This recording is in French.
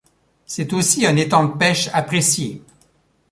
C'est aussi un étang de pêche apprécié.